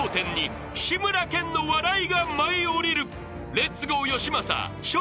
［レッツゴーよしまさ。笑